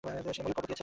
সে ময়ূর কবর দিয়েছে।